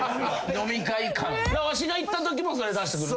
わしが行ったときもそれ出してくる。